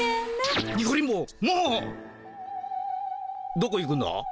どこ行くんだ？